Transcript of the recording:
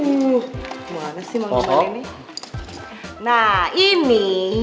uh gimana sih mang diman ini